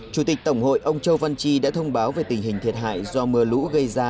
chủ tịch tổng hội ông châu văn chi đã thông báo về tình hình thiệt hại do mưa lũ gây ra